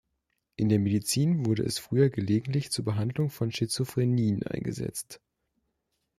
In der Medizin wurde es früher gelegentlich zur Behandlung von Schizophrenien eingesetzt.